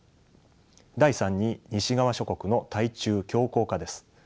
第３に西側諸国の対中強硬化です。